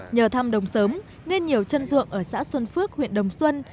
nhờ thăm đồng sớm nên nhiều chân ruộng ở xã xuân phước huyện đồng xuân